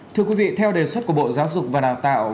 thưa quý vị theo đề xuất của bộ giáo dục và đào tạo